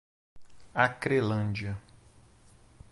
Acrelândia